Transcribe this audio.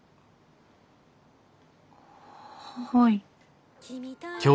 はい。